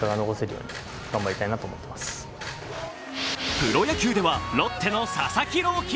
プロ野球ではロッテの佐々木朗希。